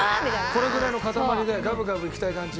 これぐらいの塊でガブガブいきたい感じ？